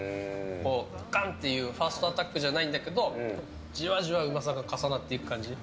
ガンっていうファーストアタックじゃないんだけどじわじわうまさが重なっていく感じ。